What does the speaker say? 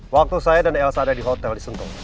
waktu saya dan elsa ada di hotel di sentul